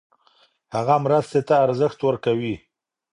هغه مرستې ته ارزښت ورکوي.